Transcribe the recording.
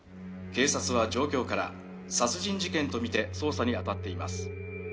「警察は状況から殺人事件と見て捜査に当たっています」